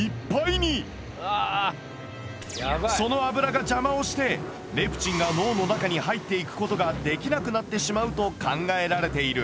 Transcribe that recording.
その脂が邪魔をしてレプチンが脳の中に入っていくことができなくなってしまうと考えられている。